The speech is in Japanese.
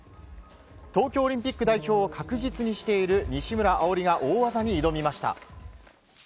東京オリンピック代表を確実にしている西村碧莉が大技に挑みました。